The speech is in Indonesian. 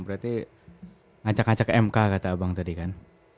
berarti ngacak ngacak mk kata abang tadi kan